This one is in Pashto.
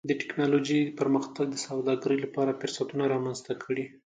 د ټکنالوجۍ پرمختګ د سوداګرۍ لپاره فرصتونه رامنځته کړي دي.